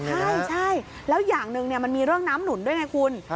ใช่แล้วอย่างหนึ่งมันมีเรื่องน้ำหนุนด้วยไงคุณ